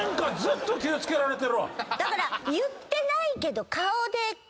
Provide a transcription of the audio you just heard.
だから。